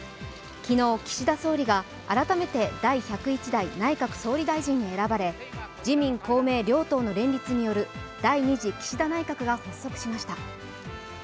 昨日、岸田総理が、改めて内閣総理大臣に選ばれ自民・公明両党の連立による第２次岸田内閣が発足しました。